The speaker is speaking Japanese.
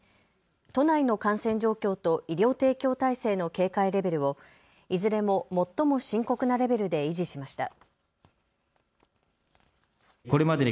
都内の感染状況と医療提供体制の警戒レベルをいずれも最も深刻なレベルで維持しました。